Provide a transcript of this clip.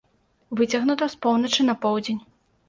Выцягнута з поўначы на поўдзень.